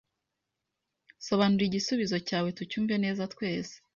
Sobanura igisubizo cyawe tucyumve neza twese